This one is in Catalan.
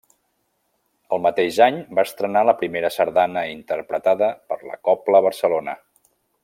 El mateix any va estrenar la primera sardana interpretada per la Cobla Barcelona.